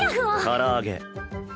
唐揚げ。